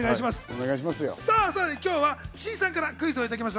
さらに今日は岸井さんからクイズをいただきました。